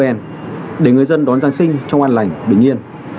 ngày lễ noel để người dân đón giáng sinh trong an lành bình yên